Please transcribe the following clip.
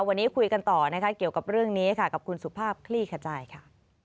วันนี้คุยกันต่อนะคะเกี่ยวกับเรื่องนี้ค่ะกับคุณสุภาพคลี่ขจายค่ะ